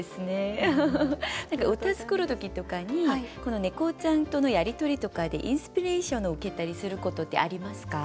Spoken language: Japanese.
歌作る時とかにこの猫ちゃんとのやり取りとかでインスピレーションを受けたりすることってありますか？